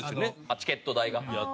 チケット代が。